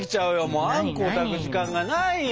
もうあんこを炊く時間がないよ。